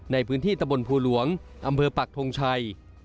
ในพื้นที่ตะบนภูหลวงอำเภอปักทงชัย